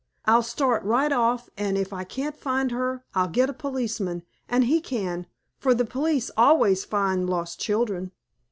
I'll start right off, and if I can't find her I'll get a policeman, and he can, for the police always find lost children."